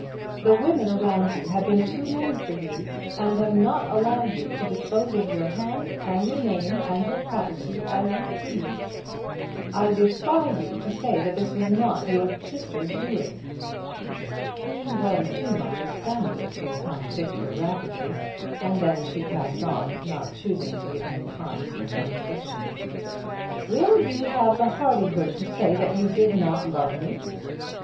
The women around you have been too many for you, and have not allowed you to dispose of your hand, and your name, and your property as you pleased. I defy you to say that this was not your sister's doing." He was too much astounded to contradict her rapidly, and then she passed on, not choosing to give him time for contradiction. "Will you have the hardihood to say that you did not love me?"